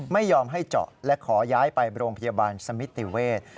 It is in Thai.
ไม่ยอมให้เจาะและขอย้ายไปโรงพยาบาลสมิติเวศ